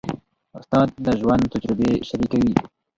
استاد د ژوند تجربې شریکوي.